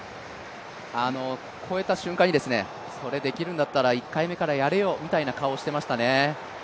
越えた瞬間に、それをできるんだったら１回目からやれよみたいな顔してましたね。